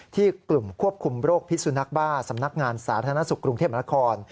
ที่กลุ่มควบคุมโรคพิสุนักบ้าสำนักงานสาธารณสุขกรุงเทพมนาคม